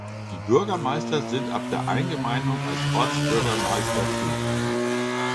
Die Bürgermeister sind ab der Eingemeindung als Ortsbürgermeister tätig.